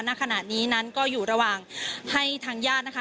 ณขณะนี้นั้นก็อยู่ระหว่างให้ทางญาตินะคะ